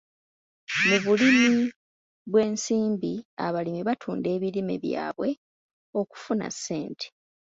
Mu bulimi bw'esimbi, abalimi batunda ebirime byabwe okufuna ssente .